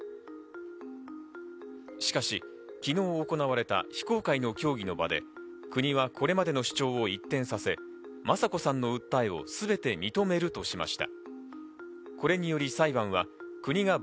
しかし昨日行われた非公開の協議の場で国はこれまでの主張を一転させ、雅子さんの訴えをすべて認めるとしました。